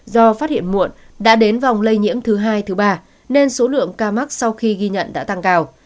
do phát hiện muộn đã đến vòng lây nhiễm thứ hai thứ ba nên số lượng ca mắc sau khi ghi nhận đã tăng cao